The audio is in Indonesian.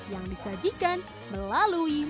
yang disajikan melalui meditasi